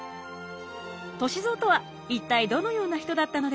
歳三とは一体どのような人だったのでしょう？